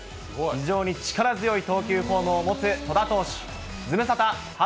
非常に力強い投球フォームを持つ戸田投手。